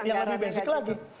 dan yang lebih basic lagi